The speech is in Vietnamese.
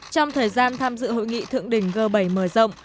trong thời gian tham dự hội nghị thượng đỉnh g bảy mở rộng